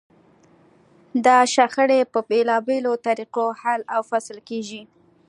دا شخړې په بېلابېلو طریقو حل و فصل کېږي.